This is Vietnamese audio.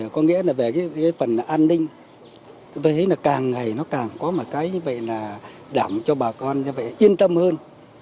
có nghĩa là về phần an ninh tôi thấy càng ngày càng có một cái đảm cho bà con yên tâm hơn